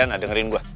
adrana dengerin gue